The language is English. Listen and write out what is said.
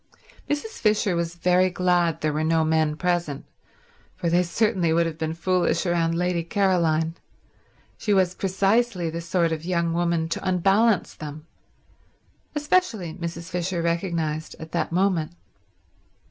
Mrs. Fisher was very glad there were no men present, for they certainly would have been foolish about Lady Caroline. She was precisely the sort of young woman to unbalance them; especially, Mrs. Fisher recognized, at that moment.